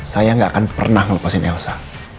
saya gak akan pernah melepasin elsa